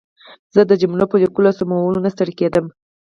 زه د جملو په لیکلو او سمولو نه ستړې کېدم.